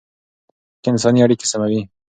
اخلاق انساني اړیکې سموي